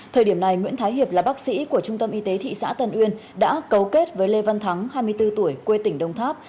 thời điểm này nguyễn thái hiệp là bác sĩ của trung tâm y tế thị xã tân uyên đã cấu kết với lê văn thắng hai mươi bốn tuổi quê tỉnh đồng tháp